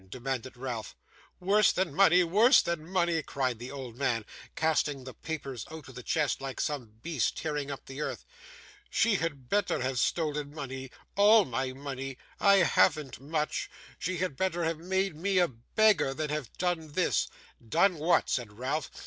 demanded Ralph. 'Worse than money, worse than money!' cried the old man, casting the papers out of the chest, like some beast tearing up the earth. 'She had better have stolen money all my money I haven't much! She had better have made me a beggar than have done this!' 'Done what?' said Ralph.